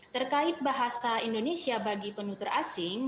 terkait bahasa indonesia bagi penutur asing